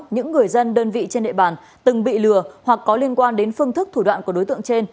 những người dân đơn vị trên địa bàn từng bị lừa hoặc có liên quan đến phương thức thủ đoạn của đối tượng trên